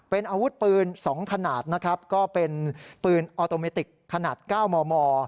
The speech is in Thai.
เป็นอาวุธปืน๒ขนาดนะครับก็เป็นปืนออโตเมติกขนาด๙มม